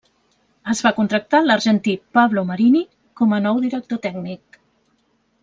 Es va contractar l'argentí Pablo Marini com a nou director tècnic.